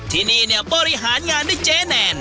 ที่นี่เนี่ยบริหารงานด้วยเจ๊แนน